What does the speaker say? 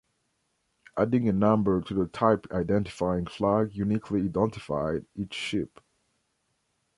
Adding a number to the type-identifying flag uniquely identified each ship.